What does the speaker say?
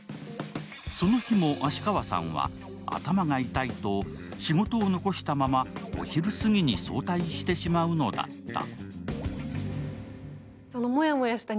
その日も芦川さんは頭が痛いと仕事を残したままお昼過ぎに早退してしまうのだった。